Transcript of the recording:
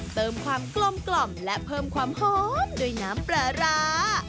เติมความกลมกล่อมและเพิ่มความหอมด้วยน้ำปลาร้า